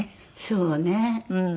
そうね。